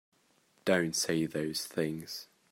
Don't say those things!